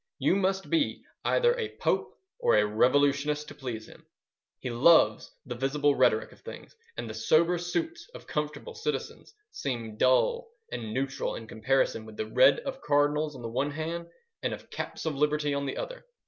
You must be either a Pope or a revolutionist to please him. He loves the visible rhetoric of things, and the sober suits of comfortable citizens seem dull and neutral in comparison with the red of cardinals on the one hand, and of caps of liberty on the other.